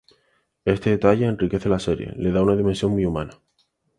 Este detalle enriquece la serie, le da una dimensión muy humana.